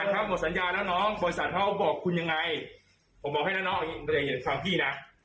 ผมบอกให้นะน้องอย่าเห็นความพี่นะ